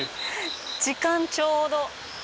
時間ちょうど。